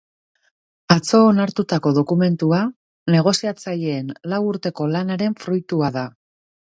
Atzo onartutako dokumentua negoziatzaileen lau urteko lanaren fruitua da.